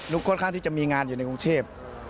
ค่อนข้างที่จะมีงานอยู่ในกรุงเทพ